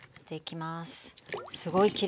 すごいきれいな。